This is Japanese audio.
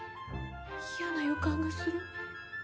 嫌な予感がする。